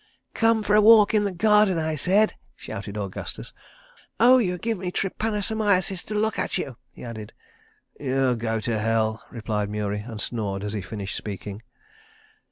"Come for a walk in the garden I said," shouted Augustus. "Oh, you give me trypanosomiasis to look at you," he added. "You go to Hell," replied Murie, and snored as he finished speaking.